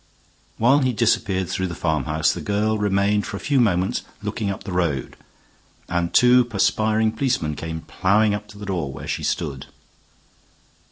While he disappeared through the farmhouse the girl remained for a few moments looking up the road, and two perspiring policemen came plowing up to the door where she stood.